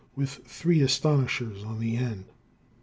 with three astonishers on the end.